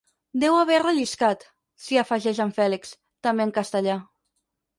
Deu haver relliscat —s'hi afegeix el Fèlix, també en castellà.